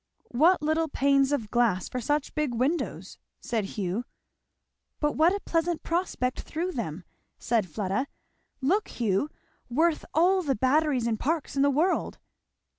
"What little panes of glass for such big windows!" said Hugh. "But what a pleasant prospect through them," said Fleda, "look, Hugh! worth all the Batteries and Parks in the world."